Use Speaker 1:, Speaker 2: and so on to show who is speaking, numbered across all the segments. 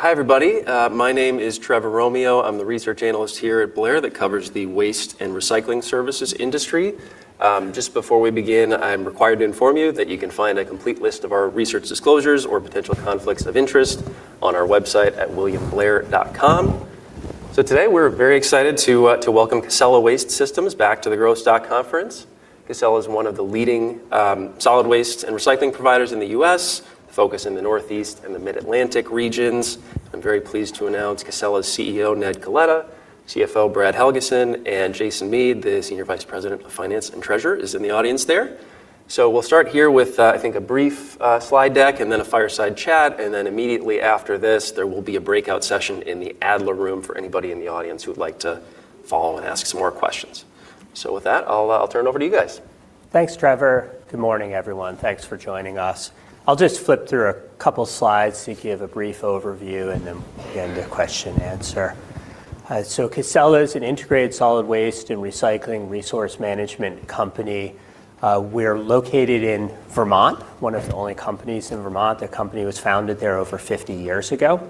Speaker 1: Hi, everybody. My name is Trevor Romeo. I'm the research analyst here at Blair that covers the waste and recycling services industry. Just before we begin, I'm required to inform you that you can find a complete list of our research disclosures or potential conflicts of interest on our website at williamblair.com. Today, we're very excited to welcome Casella Waste Systems back to the Growth Stock Conference. Casella is one of the leading solid waste and recycling providers in the U.S., focused in the Northeast and the mid-Atlantic regions. I'm very pleased to announce Casella's CEO, Ned Coletta, CFO, Brad Helgeson, and Jason Mead, the Senior Vice President of Finance and Treasurer is in the audience there. We'll start here with, I think, a brief slide deck and then a fireside chat. Immediately after this, there will be a breakout session in the Adler Room for anybody in the audience who would like to follow and ask some more questions. With that, I'll turn it over to you guys.
Speaker 2: Thanks, Trevor. Good morning, everyone. Thanks for joining us. I'll just flip through a couple slides, give a brief overview, and then begin the question and answer. Casella is an integrated solid waste and recycling resource management company. We're located in Vermont, one of the only companies in Vermont. The company was founded there over 50 years ago.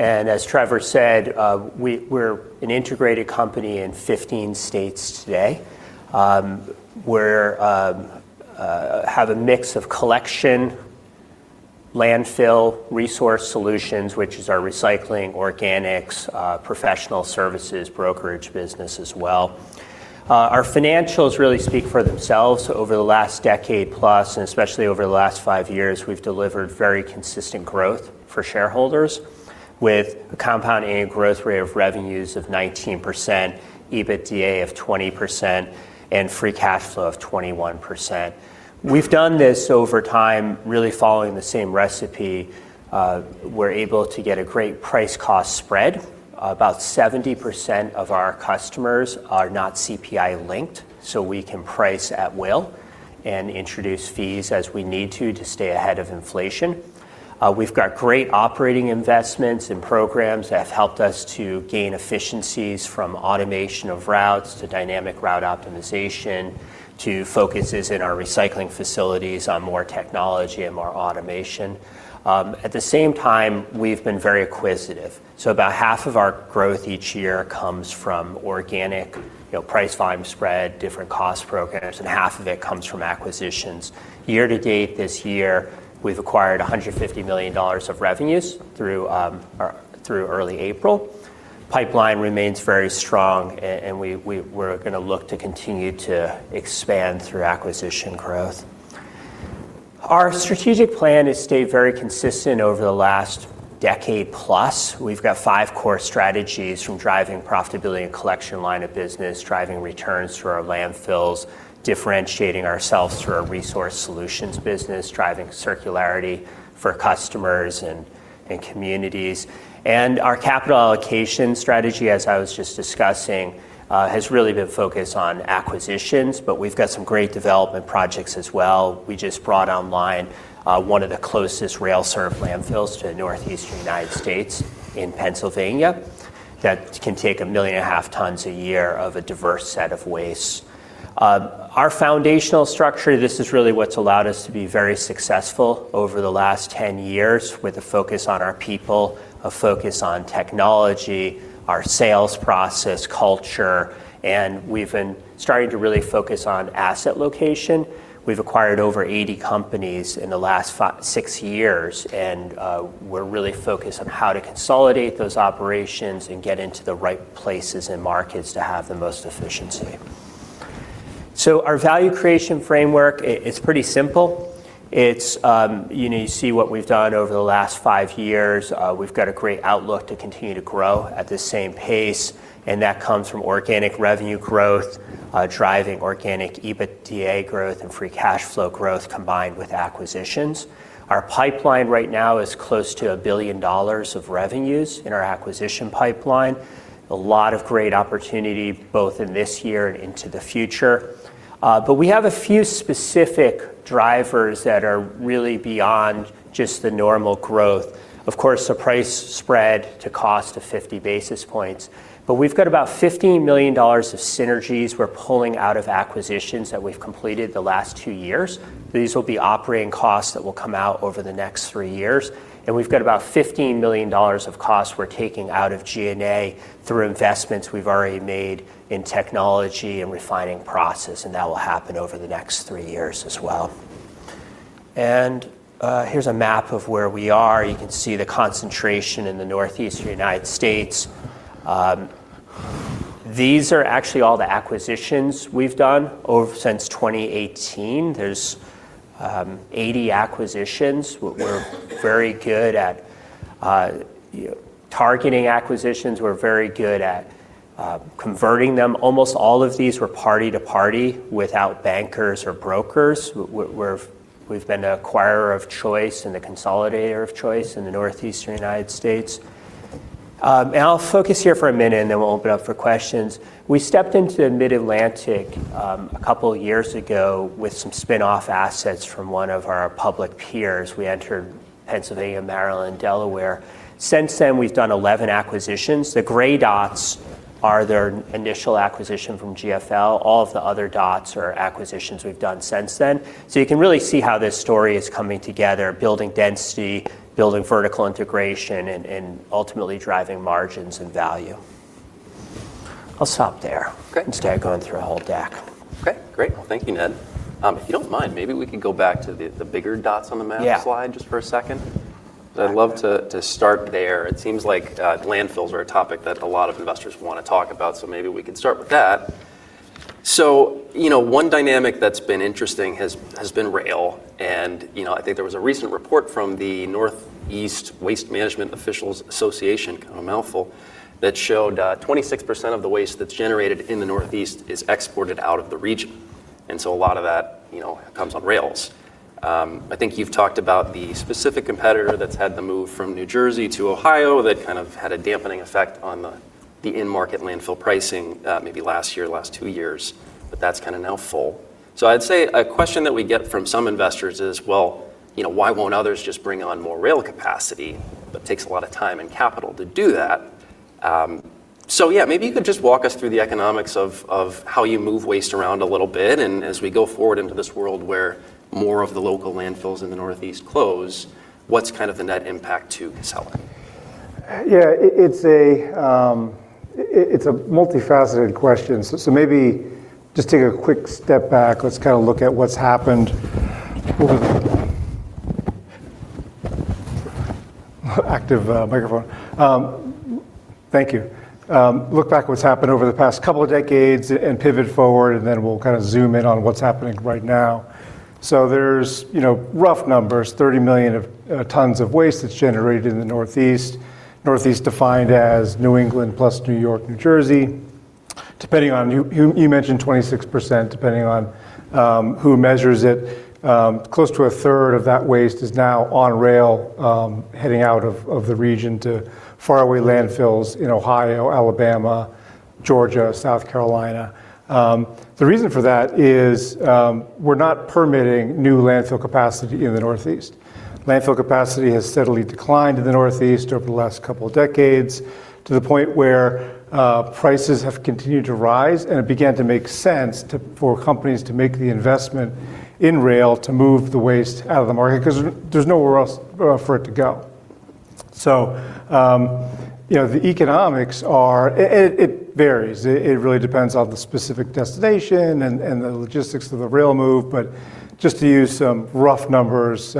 Speaker 2: As Trevor said, we're an integrated company in 15 states today. We have a mix of collection, landfill, Resource Solutions, which is our recycling, organics, professional services, brokerage business as well. Our financials really speak for themselves. Over the last decade plus, and especially over the last five years, we've delivered very consistent growth for shareholders, with a compound annual growth rate of revenues of 19%, EBITDA of 20%, and free cash flow of 21%. We've done this over time, really following the same recipe. We're able to get a great price-cost spread. About 70% of our customers are not CPI-linked, so we can price at will and introduce fees as we need to stay ahead of inflation. We've got great operating investments and programs that have helped us to gain efficiencies, from automation of routes to dynamic route optimization, to focuses in our recycling facilities on more technology and more automation. At the same time, we've been very acquisitive. About half of our growth each year comes from organic price volume spread, different cost programs, and half of it comes from acquisitions. Year to date this year, we've acquired $150 million of revenues through early April. Pipeline remains very strong, and we're going to look to continue to expand through acquisition growth. Our strategic plan has stayed very consistent over the last decade plus. We've got five core strategies from driving profitability and collection line of business, driving returns through our landfills, differentiating ourselves through our Resource Solutions business, driving circularity for customers and communities. Our capital allocation strategy, as I was just discussing, has really been focused on acquisitions, but we've got some great development projects as well. We just brought online one of the closest rail-served landfills to the Northeastern U.S. in Pennsylvania that can take 1.5 million tons a year of a diverse set of waste. Our foundational structure, this is really what's allowed us to be very successful over the last 10 years, with a focus on our people, a focus on technology, our sales process, culture, and we've been starting to really focus on asset location. We've acquired over 80 companies in the last six years. We're really focused on how to consolidate those operations and get into the right places and markets to have the most efficiency. Our value creation framework, it's pretty simple. You see what we've done over the last five years. We've got a great outlook to continue to grow at the same pace. That comes from organic revenue growth, driving organic EBITDA growth and free cash flow growth combined with acquisitions. Our pipeline right now is close to $1 billion of revenues in our acquisition pipeline. A lot of great opportunity both in this year and into the future. We have a few specific drivers that are really beyond just the normal growth. Of course, the price spread to cost of 50 basis points. We've got about $15 million of synergies we're pulling out of acquisitions that we've completed the last two years. These will be operating costs that will come out over the next three years. We've got about $15 million of costs we're taking out of G&A through investments we've already made in technology and refining process, and that will happen over the next three years as well. Here's a map of where we are. You can see the concentration in the Northeastern United States. These are actually all the acquisitions we've done since 2018. There's 80 acquisitions. We're very good at targeting acquisitions. We're very good at converting them. Almost all of these were party to party without bankers or brokers. We've been the acquirer of choice and the consolidator of choice in the Northeastern United States. I'll focus here for a minute, and then we'll open it up for questions. We stepped into Mid-Atlantic a couple of years ago with some spin-off assets from one of our public peers. We entered Pennsylvania, Maryland, Delaware. Since then, we've done 11 acquisitions. The gray dots are their initial acquisition from GFL, all of the other dots are acquisitions we've done since then. You can really see how this story is coming together, building density, building vertical integration, and ultimately driving margins and value. I'll stop there.
Speaker 1: Great.
Speaker 2: Instead of going through our whole deck.
Speaker 1: Okay, great. Well, thank you, Ned. If you don't mind, maybe we could go back to the bigger dots on the map slide just for a second. I'd love to start there. It seems like landfills are a topic that a lot of investors want to talk about, so maybe we could start with that. One dynamic that's been interesting has been rail and I think there was a recent report from the Northeast Waste Management Officials' Association, kind of a mouthful, that showed 26% of the waste that's generated in the Northeast is exported out of the region. A lot of that comes on rails. I think you've talked about the specific competitor that's had to move from New Jersey to Ohio. That kind of had a dampening effect on the in-market landfill pricing, maybe last year, last two years, but that's kind of now full. I'd say a question that we get from some investors is, well, why won't others just bring on more rail capacity? It takes a lot of time and capital to do that. Yeah, maybe you could just walk us through the economics of how you move waste around a little bit, and as we go forward into this world where more of the local landfills in the Northeast close, what's the net impact to Casella?
Speaker 3: Yeah. It's a multifaceted question. Maybe just take a quick step back. Let's look at what's happened over the past couple of decades and pivot forward, and then we'll zoom in on what's happening right now. There's rough numbers, 30 million of tons of waste that's generated in the Northeast. Northeast defined as New England plus New York, New Jersey. You mentioned 26%, depending on who measures it. Close to a third of that waste is now on rail, heading out of the region to faraway landfills in Ohio, Alabama, Georgia, South Carolina. The reason for that is, we're not permitting new landfill capacity in the Northeast. Landfill capacity has steadily declined in the Northeast over the last couple of decades to the point where prices have continued to rise, and it began to make sense for companies to make the investment in rail to move the waste out of the market because there's nowhere else for it to go. The economics are, it varies. It really depends on the specific destination and the logistics of the rail move, but just to use some rough numbers,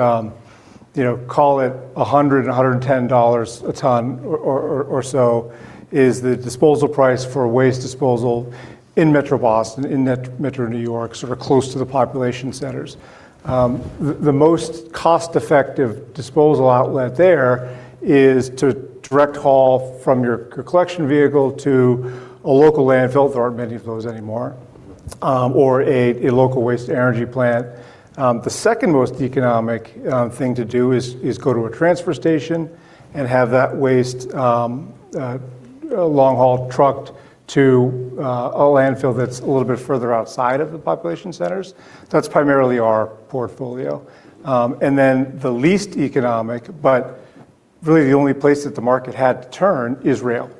Speaker 3: call it $100, $110 a ton or so is the disposal price for a waste disposal in metro Boston, in metro New York, sort of close to the population centers. The most cost-effective disposal outlet there is to direct haul from your collection vehicle to a local landfill, there aren't many of those anymore, or a local waste energy plant. The second most economic thing to do is go to a transfer station and have that waste long haul trucked to a landfill that's a little bit further outside of the population centers. That's primarily our portfolio. The least economic, but really the only place that the market had to turn is rail.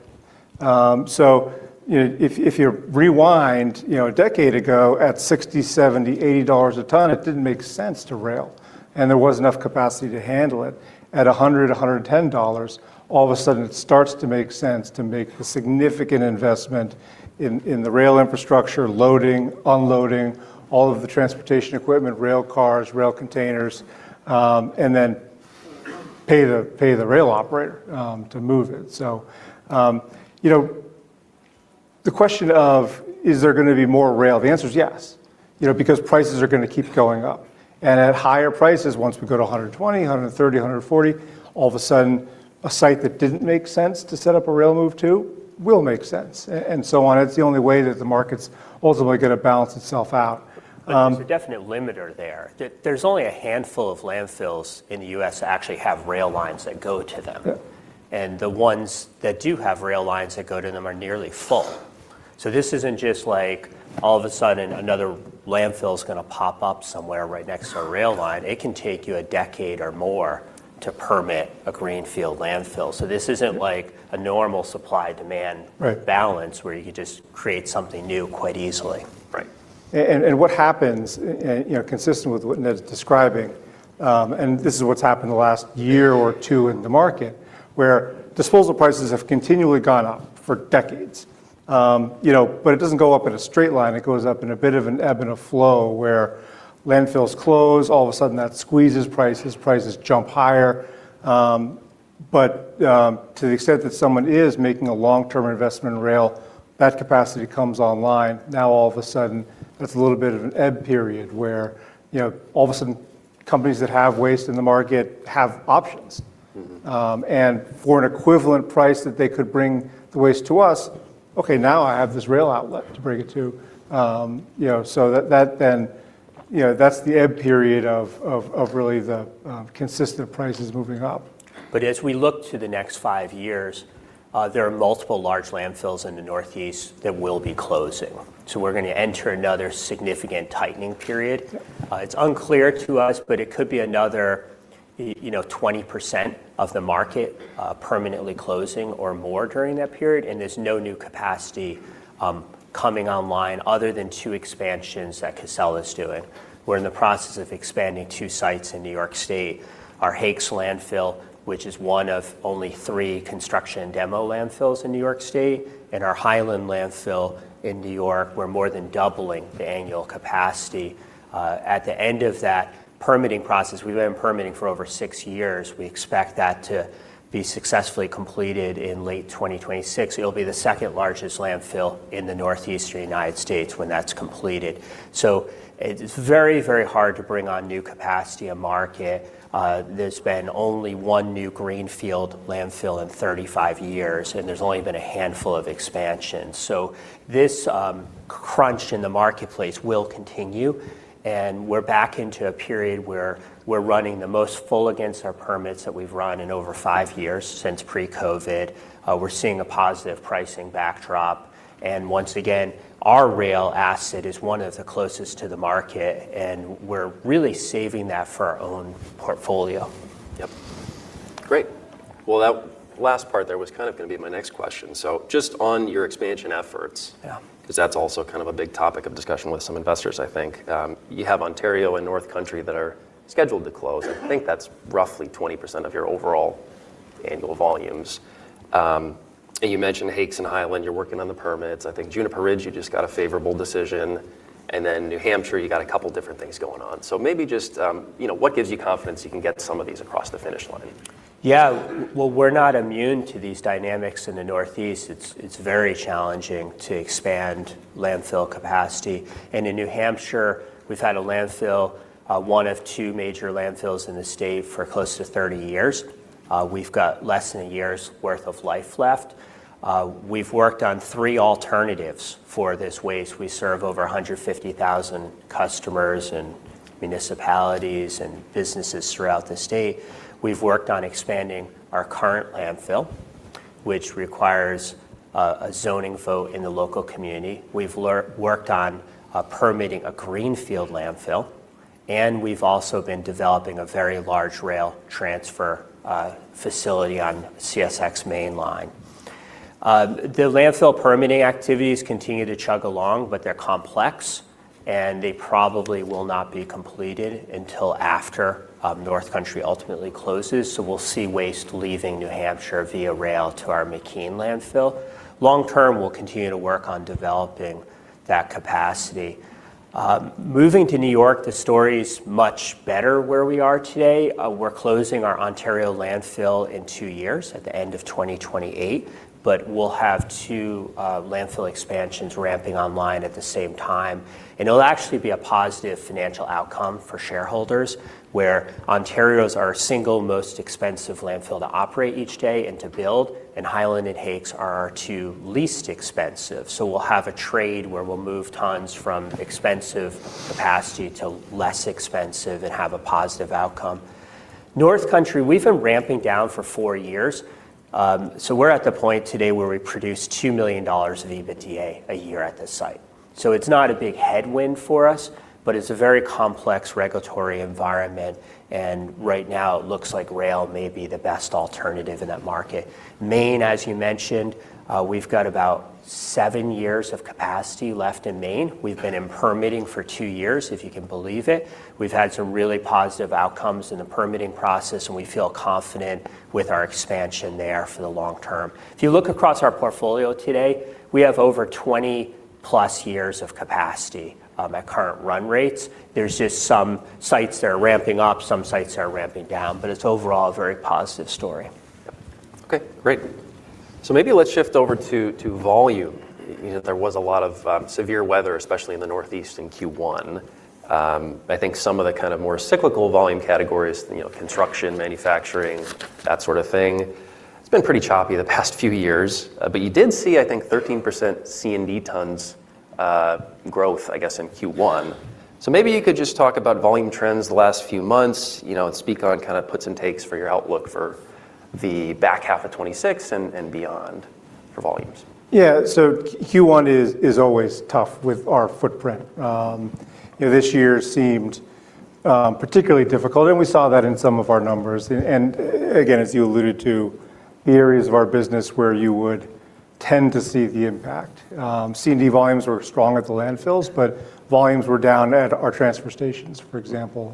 Speaker 3: If you rewind a decade ago at $60, $70, $80 a ton, it didn't make sense to rail, and there wasn't enough capacity to handle it. At $100, $110, all of a sudden it starts to make sense to make the significant investment in the rail infrastructure, loading, unloading, all of the transportation equipment, rail cars, rail containers, and then pay the rail operator to move it. The question of, is there going to be more rail? The answer is yes because prices are going to keep going up. At higher prices, once we go to $120, $130, $140, all of a sudden, a site that didn't make sense to set up a rail move to, will make sense and so on. It's the only way that the market's ultimately going to balance itself out.
Speaker 2: There's a definite limiter there. There's only a handful of landfills in the U.S. that actually have rail lines that go to them.
Speaker 3: Yeah.
Speaker 2: The ones that do have rail lines that go to them are nearly full. This isn't just like, all of a sudden, another landfill's going to pop up somewhere right next to a rail line. It can take you a decade or more to permit a greenfield landfill. This isn't like a normal supply-demand balance where you could just create something new quite easily.
Speaker 1: Right.
Speaker 3: What happens, consistent with what Ned's describing, and this is what's happened the last year or two in the market, where disposal prices have continually gone up for decades. It doesn't go up in a straight line. It goes up in a bit of an ebb and a flow, where landfills close, all of a sudden that squeezes prices jump higher. To the extent that someone is making a long-term investment in rail, that capacity comes online. All of a sudden, it's a little bit of an ebb period where all of a sudden companies that have waste in the market have options. For an equivalent price that they could bring the waste to us, okay, now I have this rail outlet to bring it to. That's the ebb period of really the consistent prices moving up.
Speaker 2: As we look to the next five years, there are multiple large landfills in the Northeast that will be closing. We're going to enter another significant tightening period.
Speaker 3: Yeah.
Speaker 2: It's unclear to us, but it could be another, you know, 20% of the market permanently closing or more during that period, and there's no new capacity coming online other than two expansions that Casella's doing. We're in the process of expanding two sites in New York State, our Hakes Landfill, which is one of only three construction demo landfills in New York State, and our Highland Landfill in New York. We're more than doubling the annual capacity. At the end of that permitting process, we've been permitting for over six years, we expect that to be successfully completed in late 2026. It'll be the second-largest landfill in the northeastern U.S. when that's completed. It's very hard to bring on new capacity to market. There's been only one new greenfield landfill in 35 years, and there's only been a handful of expansions. This crunch in the marketplace will continue, and we're back into a period where we're running the most full against our permits that we've run in over five years since pre-COVID. We're seeing a positive pricing backdrop. Once again, our rail asset is one of the closest to the market, and we're really saving that for our own portfolio.
Speaker 1: Yep. Great. Well, that last part there was kind of going to be my next question. Just on your expansion efforts.
Speaker 2: Yeah
Speaker 1: Because that's also a big topic of discussion with some investors, I think. You have Ontario and North Country that are scheduled to close. I think that's roughly 20% of your overall annual volumes. You mentioned Hakes and Highland, you're working on the permits. I think Juniper Ridge, you just got a favorable decision. New Hampshire, you got a couple different things going on. Maybe just, what gives you confidence you can get some of these across the finish line?
Speaker 2: Yeah. Well, we're not immune to these dynamics in the Northeast. It's very challenging to expand landfill capacity. In New Hampshire, we've had a landfill, one of two major landfills in the state, for close to 30 years. We've got less than a year's worth of life left. We've worked on three alternatives for this waste. We serve over 150,000 customers and municipalities and businesses throughout the state. We've worked on expanding our current landfill, which requires a zoning vote in the local community. We've worked on permitting a greenfield landfill, and we've also been developing a very large rail transfer facility on CSX mainline. The landfill permitting activities continue to chug along, but they're complex, and they probably will not be completed until after North Country ultimately closes. We'll see waste leaving New Hampshire via rail to our McKean Landfill. Long term, we'll continue to work on developing that capacity. Moving to New York, the story's much better where we are today. We're closing our Ontario landfill in two years, at the end of 2028, but we'll have two landfill expansions ramping online at the same time, and it'll actually be a positive financial outcome for shareholders, where Ontario's our single most expensive landfill to operate each day and to build, and Highland and Hakes are our two least expensive. We'll have a trade where we'll move tons from expensive capacity to less expensive and have a positive outcome. North Country, we've been ramping down for four years. We're at the point today where we produce $2 million of EBITDA a year at this site. It's not a big headwind for us, but it's a very complex regulatory environment, and right now it looks like rail may be the best alternative in that market. Maine, as you mentioned, we've got about seven years of capacity left in Maine. We've been in permitting for two years, if you can believe it. We've had some really positive outcomes in the permitting process, and we feel confident with our expansion there for the long term. If you look across our portfolio today, we have over 20+ years of capacity at current run rates. There's just some sites that are ramping up, some sites that are ramping down, but it's overall a very positive story.
Speaker 1: Yep. Okay, great. Maybe let's shift over to volume. There was a lot of severe weather, especially in the northeast in Q1. I think some of the more cyclical volume categories, construction, manufacturing, that sort of thing, it's been pretty choppy the past few years. You did see, I think, 13% C&D tons growth, I guess, in Q1. Maybe you could just talk about volume trends the last few months, and speak on puts and takes for your outlook for the back half of 2026 and beyond for volumes.
Speaker 3: Yeah. Q1 is always tough with our footprint. This year seemed particularly difficult, and we saw that in some of our numbers. Again, as you alluded to, the areas of our business where you would tend to see the impact. C&D volumes were strong at the landfills, but volumes were down at our transfer stations, for example.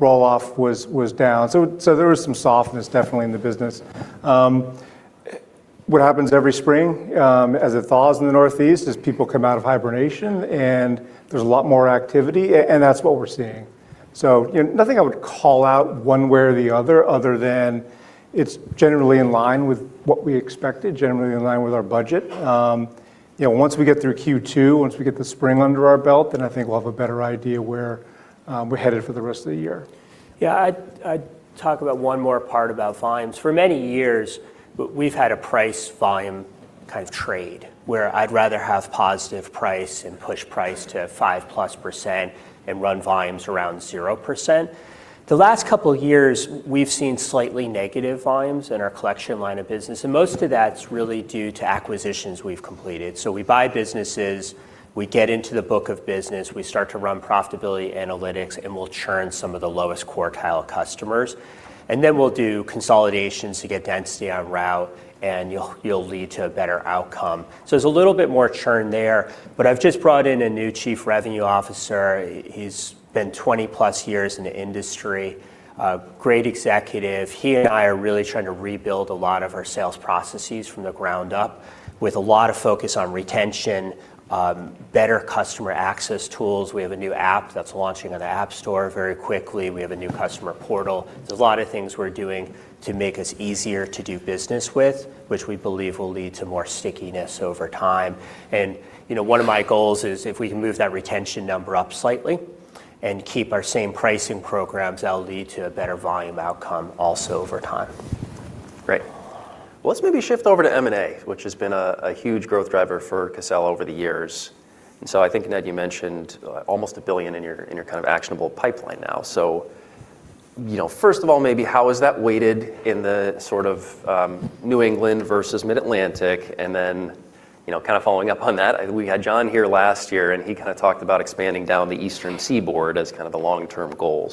Speaker 3: Roll-off was down. There was some softness definitely in the business. What happens every spring, as it thaws in the Northeast, is people come out of hibernation and there's a lot more activity, and that's what we're seeing. Nothing I would call out one way or the other than it's generally in line with what we expected, generally in line with our budget. Once we get through Q2, once we get the spring under our belt, then I think we'll have a better idea where we're headed for the rest of the year.
Speaker 2: Yeah, I'd talk about one more part about volumes. For many years, we've had a price volume kind of trade, where I'd rather have positive price and push price to 5%+ and run volumes around 0%. The last couple of years, we've seen slightly negative volumes in our collection line of business. Most of that's really due to acquisitions we've completed. We buy businesses, we get into the book of business, we start to run profitability analytics. We'll churn some of the lowest quartile customers. We'll do consolidations to get density on route. You'll lead to a better outcome. There's a little bit more churn there. I've just brought in a new Chief Revenue Officer. He's been 20+ years in the industry. A great executive. He and I are really trying to rebuild a lot of our sales processes from the ground up with a lot of focus on retention, better customer access tools. We have a new app that's launching on the App Store very quickly. We have a new customer portal. There's a lot of things we're doing to make us easier to do business with, which we believe will lead to more stickiness over time. One of my goals is if we can move that retention number up slightly and keep our same pricing programs, that'll lead to a better volume outcome also over time.
Speaker 1: Great. Well, let's maybe shift over to M&A, which has been a huge growth driver for Casella over the years. I think, Ned, you mentioned almost $1 billion in your kind of actionable pipeline now. First of all, maybe how is that weighted in the sort of New England versus Mid-Atlantic? Kind of following up on that, we had John here last year, and he talked about expanding down the Eastern Seaboard as the long-term goal.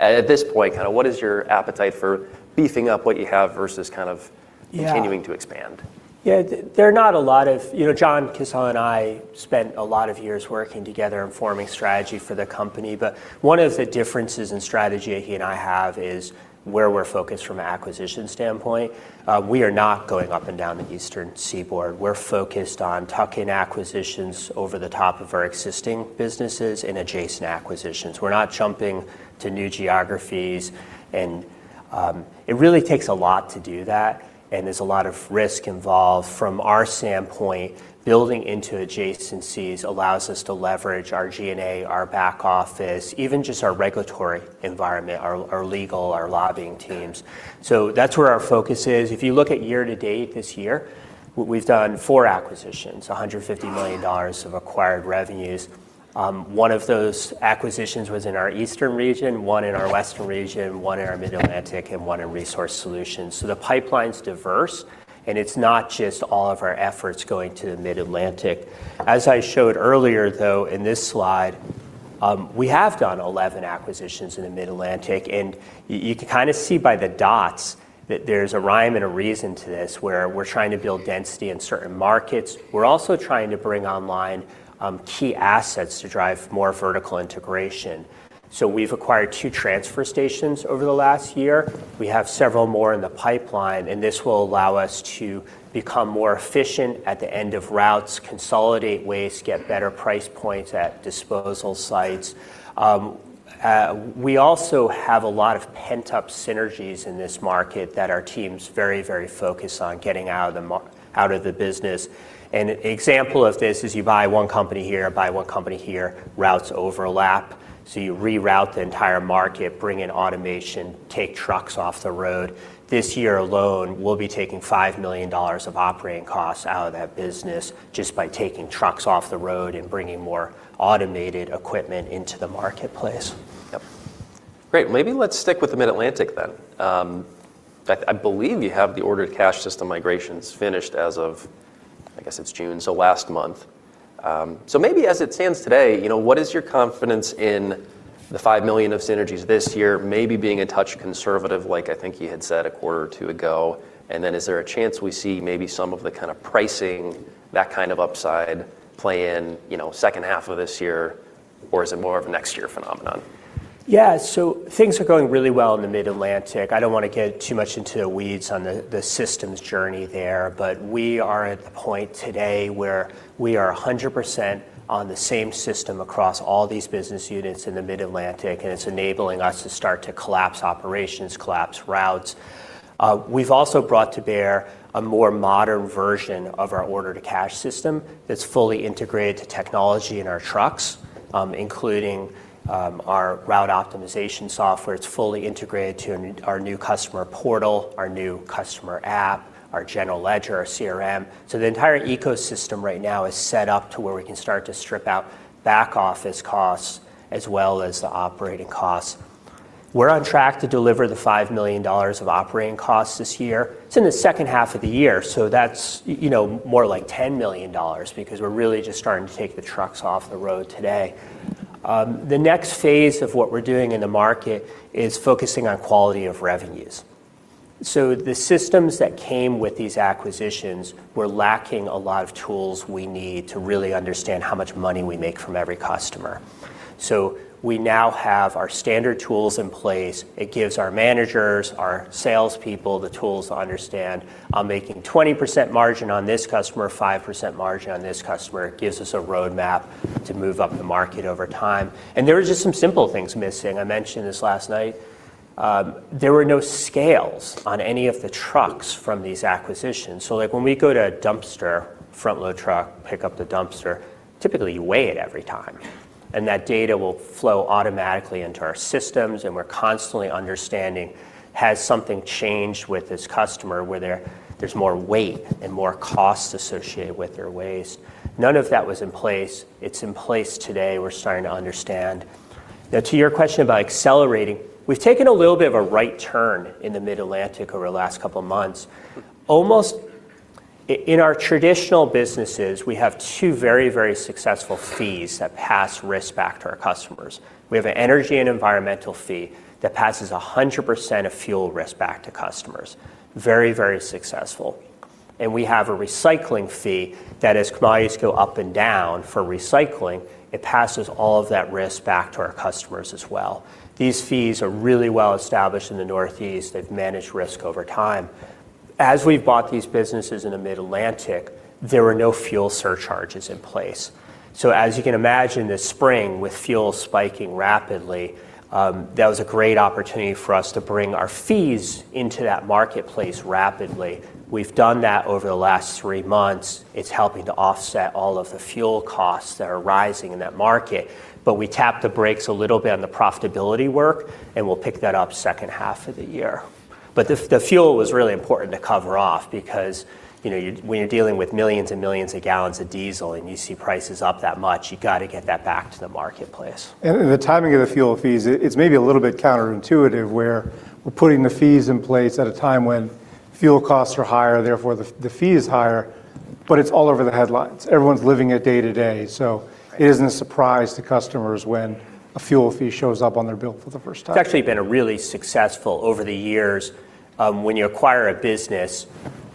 Speaker 1: At this point, what is your appetite for beefing up what you have continuing to expand?
Speaker 2: Yeah, John Casella and I spent a lot of years working together and forming strategy for the company. One of the differences in strategy that he and I have is where we're focused from an acquisition standpoint. We are not going up and down the Eastern Seaboard. We're focused on tuck-in acquisitions over the top of our existing businesses and adjacent acquisitions. We're not jumping to new geographies, and it really takes a lot to do that, and there's a lot of risk involved. From our standpoint, building into adjacencies allows us to leverage our G&A, our back office, even just our regulatory environment, our legal, our lobbying teams. That's where our focus is. If you look at year to date this year, we've done four acquisitions, $150 million of acquired revenues. One of those acquisitions was in our eastern region, one in our western region, one in our Mid-Atlantic, and one in Resource Solutions. The pipeline's diverse, and it's not just all of our efforts going to the Mid-Atlantic. As I showed earlier, though, in this slide, we have done 11 acquisitions in the Mid-Atlantic, and you can kind of see by the dots that there's a rhyme and a reason to this, where we're trying to build density in certain markets. We're also trying to bring online key assets to drive more vertical integration. We've acquired two transfer stations over the last year. We have several more in the pipeline, and this will allow us to become more efficient at the end of routes, consolidate waste, get better price points at disposal sites. We also have a lot of pent-up synergies in this market that our team's very focused on getting out of the business. An example of this is you buy one company here, buy one company here, routes overlap. You reroute the entire market, bring in automation, take trucks off the road. This year alone, we'll be taking $5 million of operating costs out of that business just by taking trucks off the road and bringing more automated equipment into the marketplace.
Speaker 1: Yep. Great. Maybe let's stick with the Mid-Atlantic then. In fact, I believe you have the order to cash system migrations finished as of, I guess it's June, so last month. As it stands today, what is your confidence in the $5 million of synergies this year, maybe being a touch conservative, like I think you had said a quarter or two ago? Is there a chance we see maybe some of the kind of pricing, that kind of upside play in second half of this year, or is it more of a next year phenomenon?
Speaker 2: Yeah. Things are going really well in the Mid-Atlantic. I don't want to get too much into the weeds on the systems journey there, but we are at the point today where we are 100% on the same system across all these business units in the Mid-Atlantic, and it's enabling us to start to collapse operations, collapse routes. We've also brought to bear a more modern version of our order to cash system that's fully integrated to technology in our trucks, including our route optimization software. It's fully integrated to our new customer portal, our new customer app, our general ledger, our CRM. The entire ecosystem right now is set up to where we can start to strip out back office costs as well as the operating costs. We're on track to deliver the $5 million of operating costs this year. It's in the second half of the year, so that's more like $10 million because we're really just starting to take the trucks off the road today. The next phase of what we're doing in the market is focusing on quality of revenues. The systems that came with these acquisitions were lacking a lot of tools we need to really understand how much money we make from every customer. We now have our standard tools in place. It gives our managers, our salespeople, the tools to understand, I'm making 20% margin on this customer, 5% margin on this customer. It gives us a roadmap to move up the market over time. There were just some simple things missing. I mentioned this last night. There were no scales on any of the trucks from these acquisitions. Like, when we go to a dumpster, front load truck, pick up the dumpster, typically, you weigh it every time. That data will flow automatically into our systems, and we're constantly understanding, has something changed with this customer where there's more weight and more cost associated with their waste? None of that was in place. It's in place today. We're starting to understand. To your question about accelerating, we've taken a little bit of a right turn in the Mid-Atlantic over the last couple of months. In our traditional businesses, we have two very successful fees that pass risk back to our customers. We have an energy and environmental fee that passes 100% of fuel risk back to customers. Very successful. We have a recycling fee that as commodities go up and down for recycling, it passes all of that risk back to our customers as well. These fees are really well established in the Northeast. They've managed risk over time. As we've bought these businesses in the Mid-Atlantic, there were no fuel surcharges in place. As you can imagine this spring with fuel spiking rapidly, that was a great opportunity for us to bring our fees into that marketplace rapidly. We've done that over the last three months. It's helping to offset all of the fuel costs that are rising in that market. We tapped the brakes a little bit on the profitability work, and we'll pick that up second half of the year. The fuel was really important to cover off because, when you're dealing with millions and millions of gallons of diesel and you see prices up that much, you got to get that back to the marketplace.
Speaker 3: The timing of the fuel fees, it's maybe a little bit counterintuitive where we're putting the fees in place at a time when fuel costs are higher, therefore the fee is higher, but it's all over the headlines. Everyone's living it day to day. It isn't a surprise to customers when a fuel fee shows up on their bill for the first time.
Speaker 2: It's actually been really successful over the years. When you acquire a business,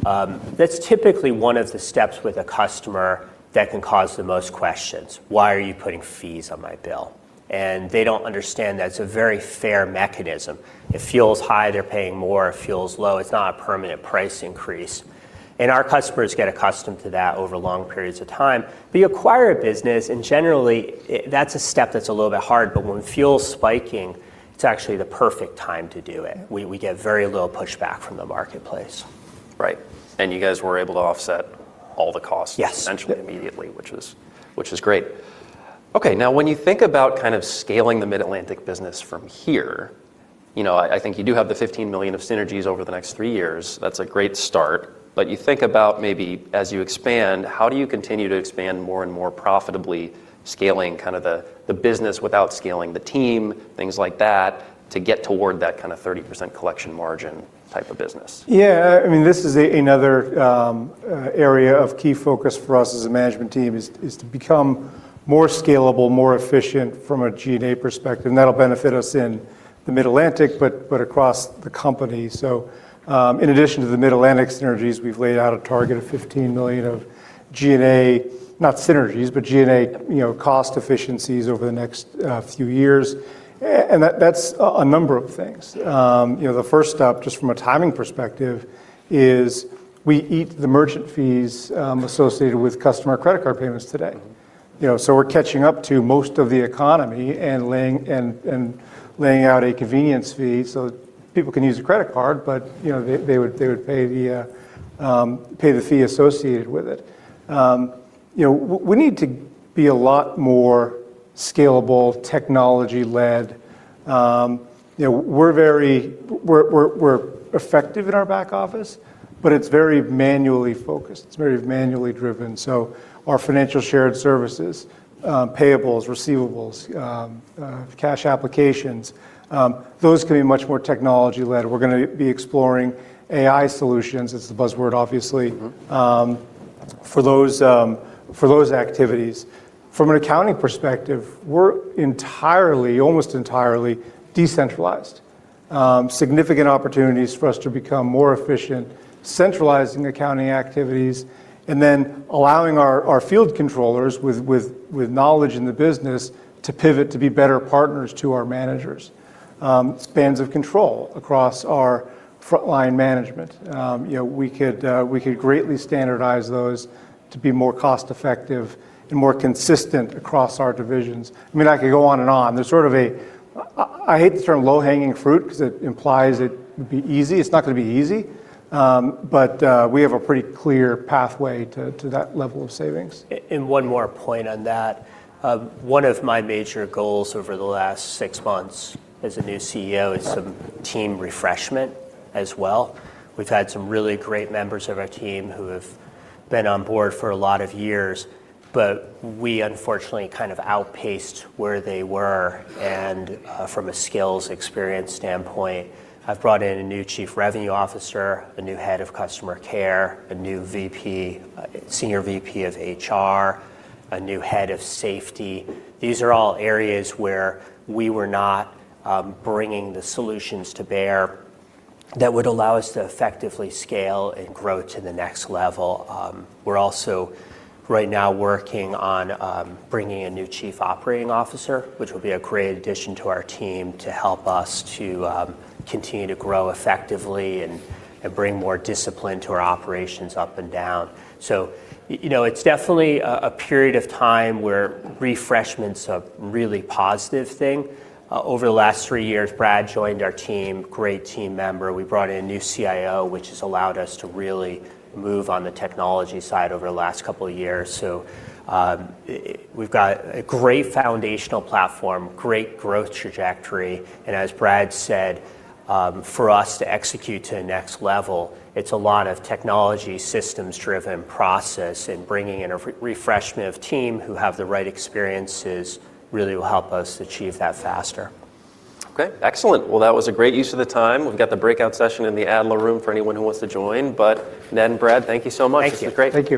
Speaker 2: that's typically one of the steps with a customer that can cause the most questions. Why are you putting fees on my bill? They don't understand that it's a very fair mechanism. If fuel's high, they're paying more. If fuel's low, it's not a permanent price increase. Our customers get accustomed to that over long periods of time. You acquire a business and generally, that's a step that's a little bit hard, but when fuel's spiking, it's actually the perfect time to do it. We get very little pushback from the marketplace.
Speaker 1: Right. You guys were able to offset all the costs.
Speaker 2: Yes.
Speaker 1: Essentially immediately, which is great. When you think about scaling the Mid-Atlantic business from here, I think you do have the $15 million of synergies over the next three years. That's a great start. You think about maybe as you expand, how do you continue to expand more and more profitably, scaling the business without scaling the team, things like that, to get toward that 30% collection margin type of business?
Speaker 3: This is another area of key focus for us as a management team is to become more scalable, more efficient from a G&A perspective, and that'll benefit us in the Mid-Atlantic, but across the company. In addition to the Mid-Atlantic synergies, we've laid out a target of $15 million of G&A, not synergies, but G&A cost efficiencies over the next few years. That's a number of things. The first step, just from a timing perspective, is we eat the merchant fees associated with customer credit card payments today. We're catching up to most of the economy and laying out a convenience fee so people can use a credit card, but they would pay the fee associated with it. We need to be a lot more scalable, technology-led. We're effective in our back office, but it's very manually focused. It's very manually driven. Our financial shared services, payables, receivables, cash applications, those can be much more technology-led. We're going to be exploring AI solutions. It's the buzzword, obviously for those activities. From an accounting perspective, we're almost entirely decentralized. Significant opportunities for us to become more efficient, centralizing accounting activities, and then allowing our field controllers with knowledge in the business to pivot to be better partners to our managers. Spans of control across our frontline management. We could greatly standardize those to be more cost-effective and more consistent across our divisions. I could go on and on. There's sort of a, I hate the term low-hanging fruit because it implies it would be easy. It's not going to be easy. We have a pretty clear pathway to that level of savings.
Speaker 2: One more point on that. One of my major goals over the last six months as a new CEO is some team refreshment as well. We've had some really great members of our team who have been on board for a lot of years, but we unfortunately outpaced where they were and from a skills experience standpoint, I've brought in a new Chief Revenue Officer, a new head of customer care, a new Senior VP of HR, a new head of safety. These are all areas where we were not bringing the solutions to bear that would allow us to effectively scale and grow to the next level. We're also right now working on bringing a new Chief Operating Officer, which will be a great addition to our team to help us to continue to grow effectively and bring more discipline to our operations up and down. It's definitely a period of time where refreshment's a really positive thing. Over the last three years, Brad joined our team, great team member. We brought in a new CIO, which has allowed us to really move on the technology side over the last couple of years. We've got a great foundational platform, great growth trajectory, and as Brad said, for us to execute to the next level, it's a lot of technology systems driven process and bringing in a refreshment of team who have the right experiences really will help us achieve that faster.
Speaker 1: Okay, excellent. Well, that was a great use of the time. We've got the breakout session in the Adler room for anyone who wants to join. Ned and Brad, thank you so much.
Speaker 2: Thank you.
Speaker 3: Thank you.